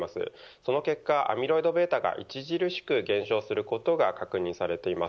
その結果、アミロイドβが著しく減少することが確認されています。